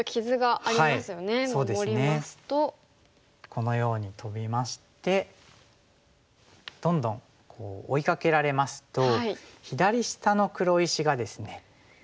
このようにトビましてどんどん追いかけられますと左下の黒石がですねまだ完全に生きていないんですね。